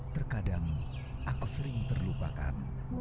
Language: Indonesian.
terkadang aku sering terlupakan